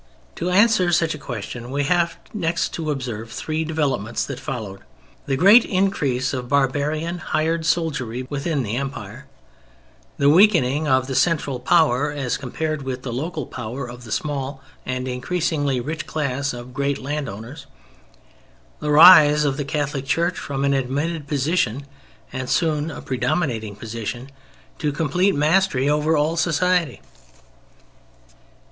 To answer such a question we have next to observe three developments that followed: (1) The great increase of barbarian hired soldiery within the Empire; (2) The weakening of the central power as compared with the local power of the small and increasingly rich class of great landowners; (3) The rise of the Catholic Church from an admitted position (and soon a predominating position) to complete mastery over all society.